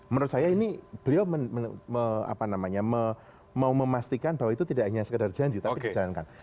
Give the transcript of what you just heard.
menurut saya ini beliau mau memastikan bahwa itu tidak hanya sekedar janji tapi dijalankan